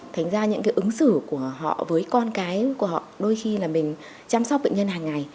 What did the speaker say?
thành ra những cái ứng xử của họ với con cái của họ đôi khi là mình chăm sóc bệnh nhân hàng ngày